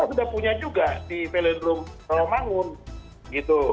kan kita sudah punya juga di veledrum kalau bangun gitu